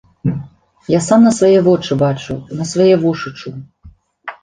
Я сам на свае вочы бачыў, на свае вушы чуў.